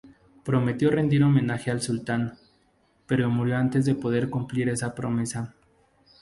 Prometió rendir homenaje al sultán, pero murió antes de poder cumplir esa promesa.